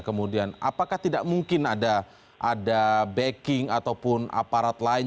kemudian apakah tidak mungkin ada backing ataupun aparat lain